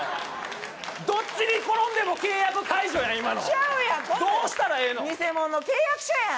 どっちに転んでも契約解除やん今のちゃうやんこんなん偽物の契約書やん！